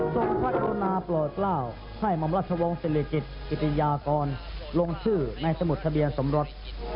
ทรงพัชโนนาปลอดเกล้าให้มอมราชวงศ์ศิลิกิษฐ์อิตยากรลงชื่อในสมุทรทะเบียงสมรส